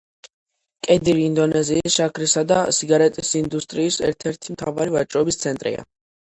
კედირი ინდონეზიის შაქრისა და სიგარეტის ინდუსტრიის ერთ–ერთი მთავარი ვაჭრობის ცენტრია.